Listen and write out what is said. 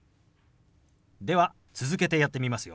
では続けてやってみますよ。